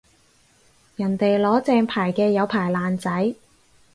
人哋攞正牌嘅有牌爛仔